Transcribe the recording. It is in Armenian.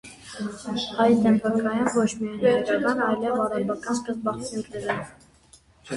Այդ են վկայում ոչ միայն հայկական, այլև արաբական սկզբնաղբյուրները։